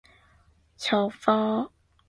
茶百道